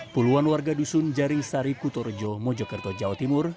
puluhan warga dusun jaring sari kutorjo mojokerto jawa timur